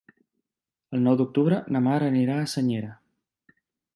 El nou d'octubre na Mar anirà a Senyera.